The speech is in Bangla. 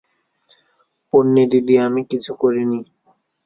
পোন্নি দিদি, আমি কিছু করিনি।